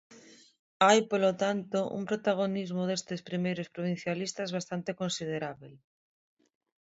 Hai, polo tanto, un protagonismo destes primeiros provincialistas bastante considerábel.